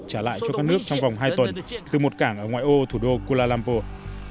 trả lại cho các nước trong vòng hai tuần từ một cảng ở ngoại ô thủ đô kuala lumpur